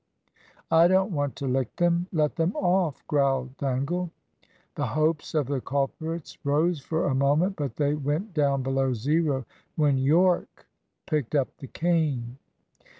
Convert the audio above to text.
"I don't want to lick them. Let them off," growled Dangle. The hopes of the culprits rose for a moment, but they went down below zero when Yorke picked up the cane.